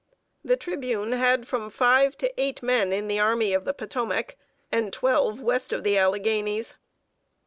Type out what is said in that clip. The Tribune had from five to eight men in the Army of the Potomac, and twelve west of the Alleghanies.